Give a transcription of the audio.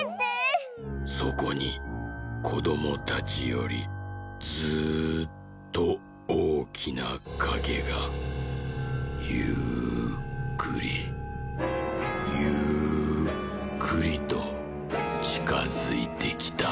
「そこにこどもたちよりずっとおおきなかげがゆっくりゆっくりとちかづいてきた」。